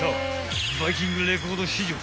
［バイキングレコード史上